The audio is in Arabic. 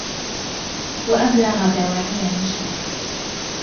وَأَبْلَغَ دَوَاعِي نَشْرِهِ